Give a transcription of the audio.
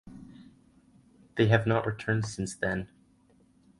They have not returned since then.